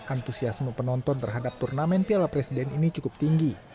antusiasme penonton terhadap turnamen piala presiden ini cukup tinggi